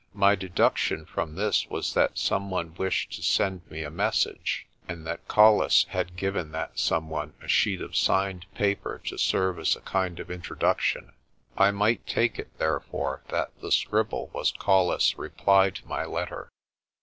My deduction from this was that some one wished to send me a message, and that Colles had given that some one a sheet of signed paper to serve as a kind of introduction. I might take it, therefore, that the scribble was Colles' reply to my letter.